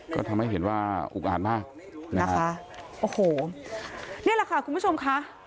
ก็ทำให้เห็นว่าอุกอ่านมากนะคะโอ้โหนี่แหละค่ะคุณผู้ชมค่ะ